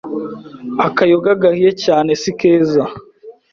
akayoga gahiye cyane sikeza!